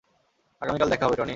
আগামীকাল দেখা হবে, টনি।